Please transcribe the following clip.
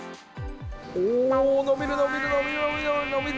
おー、伸びる、伸びる、伸びる。